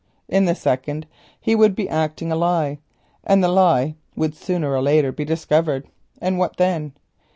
In the second, he would be acting a lie, and the lie would sooner or later be discovered, and what then?